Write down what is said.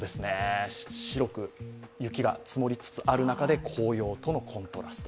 白く雪が積もりつつある中で紅葉とのコントラスト。